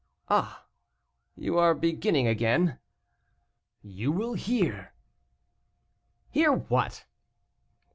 "Ah! you are beginning again." "You will hear." "Hear what?"